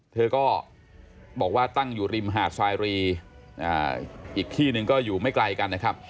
เธอก็บอกว่าตั้งอยู่ริมหาดสายรีอีกที่หนึ่งก็อยู่ไม่ไกลกันนะครับ